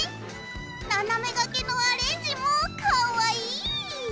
斜めがけのアレンジもかわいい。